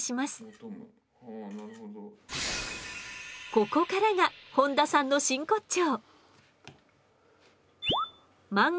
ここからが本多さんの真骨頂！